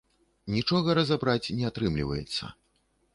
Нічога разабраць не атрымлівацца.